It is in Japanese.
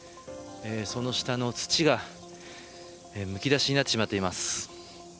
その下の土がむき出しになってしまっています。